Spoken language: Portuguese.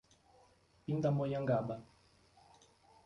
Pindamonhangaba